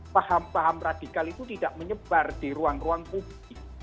paham paham radikal itu tidak menyebar di ruang ruang publik